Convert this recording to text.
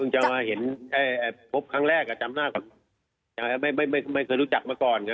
อ๋อเดี๋ยวมาเห็นใช่พบครั้งแรกอ่ะจำหน้ากลับไม่ไม่ไม่ไม่เคยรู้จักเมื่อก่อนนะ